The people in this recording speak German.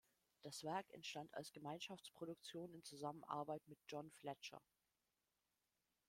Das Werk entstand als Gemeinschaftsproduktion in Zusammenarbeit mit John Fletcher.